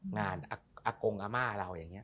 งานอากงอาม่าเรา